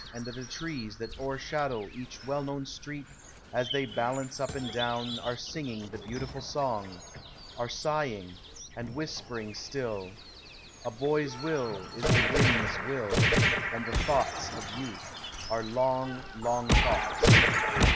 And the trees that o'ershadow each well known street. As they balance up and down, Are singing the beautiful song, Digitized by Google YOUTH. 263 Are sighing and whispering still :A boy's will is the wind's will, And the thoughts of .youth are long, long thoughts."